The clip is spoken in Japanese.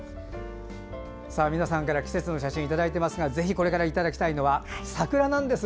皆さんから季節の写真いただいていますがぜひこれからいただきたいのは桜なんです。